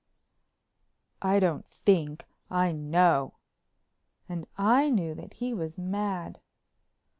"I don't think, I know," and I knew that he was mad.